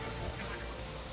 ya itu emang kebakaran